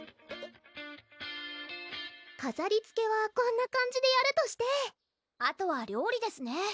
かざりつけはこんな感じでやるとしてあとは料理ですね